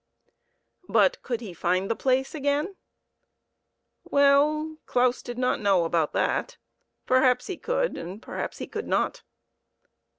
But could he find the place again ? Well, Claus did not know how about that ; perhaps he could, and perhaps he could not.